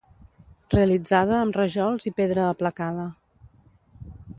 Realitzada amb rajols i pedra aplacada.